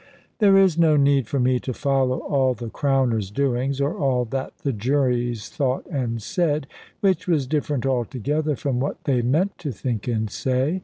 There is no need for me to follow all the Crowner's doings, or all that the juries thought and said, which was different altogether from what they meant to think and say.